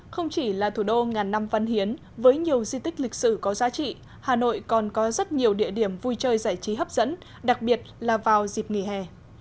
không chỉ là thủ đô ngàn năm văn hiến với nhiều di tích lịch sử có giá trị hà nội còn có rất nhiều địa điểm vui chơi giải trí hấp dẫn đặc biệt là vào dịp nghỉ hè